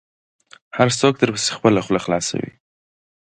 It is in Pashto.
هر څوک درپسې خپله خوله خلاصوي .